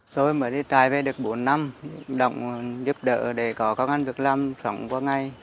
tôi mới đi trải về được bốn năm đồng giúp đỡ để có công an việc làm sống qua ngày